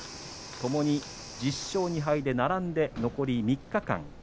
ともに１０勝２敗で並んで残り３日間。